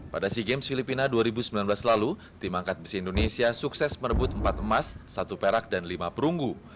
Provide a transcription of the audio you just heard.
pada sea games filipina dua ribu sembilan belas lalu tim angkat besi indonesia sukses merebut empat emas satu perak dan lima perunggu